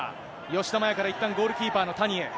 吉田麻也からいったん、ゴールキーパーの谷へ。